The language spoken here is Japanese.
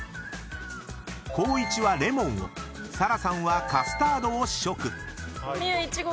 ［光一はレモンを紗来さんはカスタードを試食］